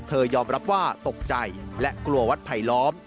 ยอมรับว่าตกใจและกลัววัดไผลล้อม